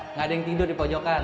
nggak ada yang tidur di pojokan